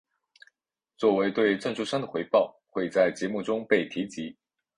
作为对赞助商的回报会在节目中被提及。